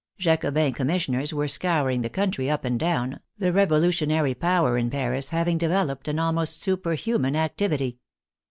Jacobin commissioners were scouring the country up and down, the revolutionary power in Paris having developed an almost superhuman activity.